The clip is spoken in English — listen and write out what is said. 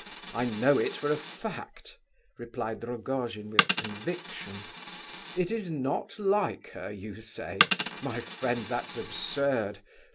"I know it for a fact," replied Rogojin, with conviction. "It is not like her, you say? My friend, that's absurd.